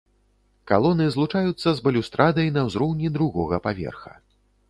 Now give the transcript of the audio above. Калоны злучаюцца з балюстрадай на ўзроўні другога паверха.